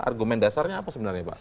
argumen dasarnya apa sebenarnya pak